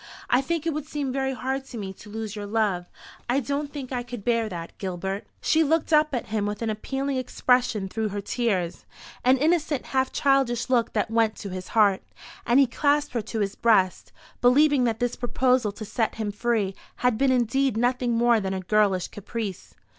I think it would seem very hard to me to lose your love. I don't think I could bear that, Gilbert." She looked up at him with an appealing expression through her tears an innocent, half childish look that went to his heart and he clasped her to his breast, believing that this proposal to set him free had been indeed nothing more than a girlish caprice.